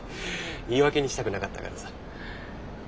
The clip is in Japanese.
言い訳にしたくなかったからさ。